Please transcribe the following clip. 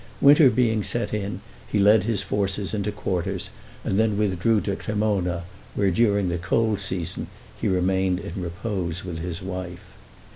Winter being set in, he led his forces into quarters, and then withdrew to Cremona, where, during the cold season, he remained in repose with his wife.